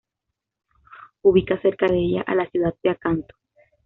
Ubica cerca de ella a la ciudad de Acanto.